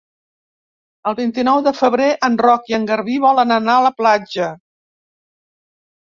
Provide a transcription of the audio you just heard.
El vint-i-nou de febrer en Roc i en Garbí volen anar a la platja.